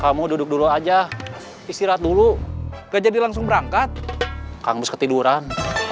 kamu duduk dulu aja istirahat dulu gak jadi langsung berangkat kamus ketiduran